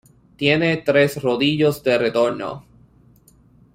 Tiene tres rodillos de retorno.